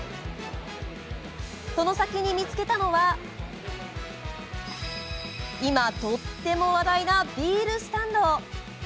その先に見つけたのは今、とっても話題なビールスタンド。